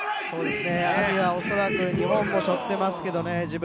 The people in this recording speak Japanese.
ＡＭＩは恐らく日本も背負ってますけどね